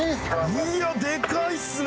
いやデカいっすね。